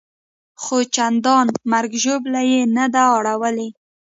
خو چندان مرګ ژوبله یې نه ده اړولې.